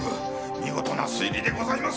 見事な推理でございます！